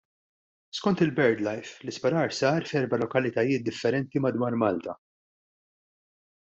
Skont il-Birdlife, l-isparar sar f'erba' lokalitajiet differenti madwar Malta.